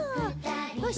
よし。